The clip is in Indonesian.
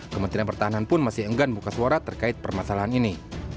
kementerian pertahanan pun masih enggan buka suara terkait permasalahan ini